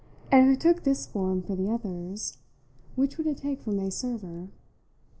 And if it took this form for the others, which would it take for May Server?